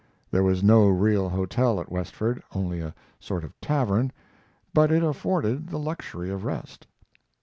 There was no real hotel at Westford, only a sort of tavern, but it afforded the luxury of rest.